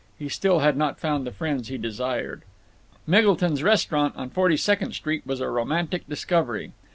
He still had not found the friends he desired. Miggleton's restaurant, on Forty second Street, was a romantic discovery.